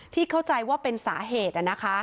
ที่เข้าใจว่าเป็นสาเหตุอ่ะนะคะ